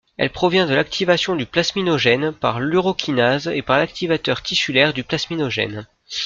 Elle provient de l'activation du plasminogène par l'urokinase et par l'activateur tissulaire du plasminogène.